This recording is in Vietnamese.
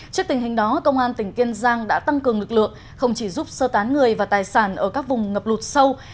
trước tình hình đó công an tỉnh kiên giang đã tăng cường lực lượng không chỉ giúp sơ tán người và tài sản ở các vùng ngập lụt sâu